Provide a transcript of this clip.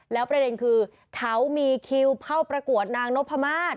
แล้วประเด็นคือเขามีคิวเข้าประกวดนางนพมาศ